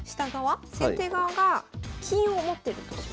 先手側が金を持ってるとします。